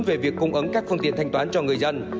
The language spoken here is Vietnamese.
về việc cung ứng các phương tiện thanh toán cho người dân